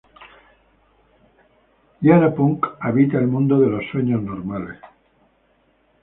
Giana punk habita el mundo de los sueños normales.